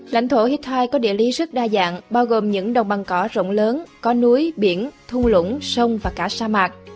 lãnh thổ hittite có địa lý rất đa dạng bao gồm những đồng bằng cỏ rộng lớn có núi biển thung lũng sông và cả sa mạc